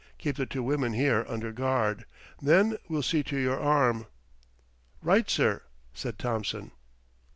Keep the two women here under guard. Then we'll see to your arm." "Right, sir," said Thompson.